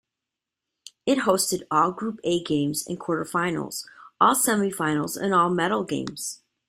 It hosted all Group A games and quarterfinals, all semifinals and all medal games.